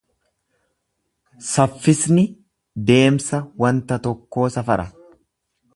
Saffisni deemsa wanta tokkoo safara.